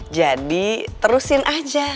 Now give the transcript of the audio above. jadi terusin aja